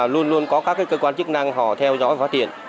luôn luôn có các cơ quan chức năng họ theo dõi và tiện